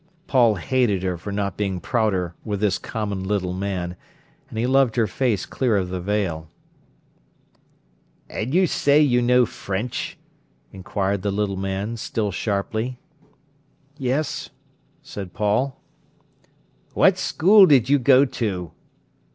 Paul hated her for not being prouder with this common little man, and he loved her face clear of the veil. "And you say you know French?" inquired the little man, still sharply. "Yes," said Paul. "What school did you go to?"